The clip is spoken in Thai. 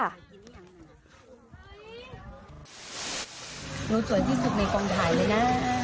สวยที่สุดในกองถ่ายเลยนะ